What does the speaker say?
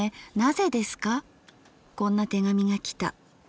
こんな手紙がきた。